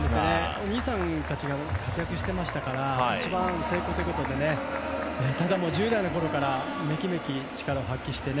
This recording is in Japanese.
お兄さんたちが活躍してましたから一番最高ということでただ、１０代のころからめきめき力を発揮してね。